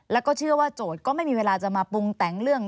แล้วก็เชื่อว่าโจทย์ก็ไม่มีเวลาจะมาปรุงแต่งเรื่อง